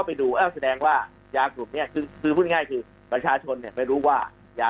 มาร์คอัพราคาขึ้นมาเช่นไหนครับว่า